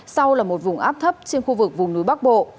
sau là một vùng áp thấp trên khu vực vùng núi bắc bộ